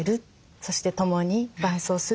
そして共に伴走する。